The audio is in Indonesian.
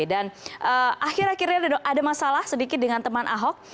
dan akhir akhirnya ada masalah sedikit dengan teman ahok